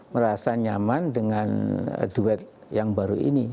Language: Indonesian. merasa nyaman dengan duet yang baru ini